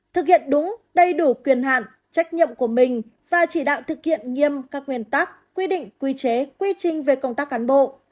thực hiện đúng đầy đủ quyền hạn trách nhiệm của mình và chỉ đạo thực hiện nghiêm các nguyên tắc quy định quy chế quy trình về công tác cán bộ